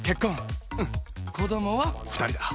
うん子供は２人だ